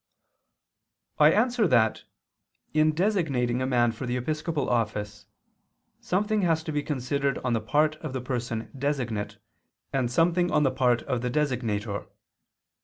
I answer that, In designating a man for the episcopal office, something has to be considered on the part of the person designate, and something on the part of the designator.